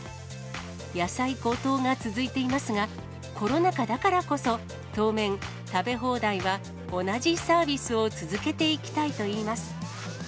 野菜高騰が続いていますが、コロナ禍だからこそ、当面、食べ放題は同じサービスを続けていきたいといいます。